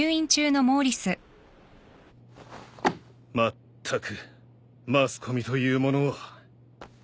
まったくマスコミというものは。